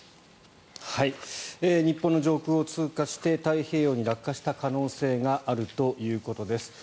日本の上空を通過して太平洋に落下した可能性があるということです。